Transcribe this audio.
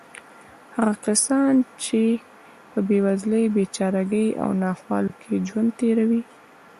هغه کسان چې په بېوزلۍ، بېچارهګۍ او ناخوالو کې ژوند تېروي.